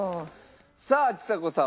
さあちさ子さん